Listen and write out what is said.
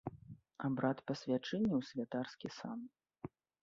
Абрад пасвячэння ў святарскі сан.